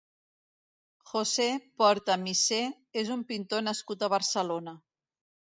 José Porta Missé és un pintor nascut a Barcelona.